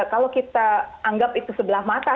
kalau kita anggap itu sebelah mata